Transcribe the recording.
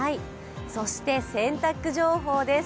そして、洗濯情報です。